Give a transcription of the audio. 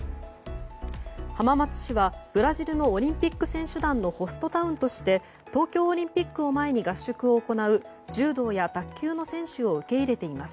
浜松市はブラジルのオリンピック選手団のホストタウンとして東京オリンピックを前に合宿を行う柔道や卓球の選手を受け入れています。